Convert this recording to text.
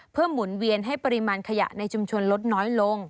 เพื่อหมุนเวียนให้ปริมาณขยะในชุมชนลดน้อยลง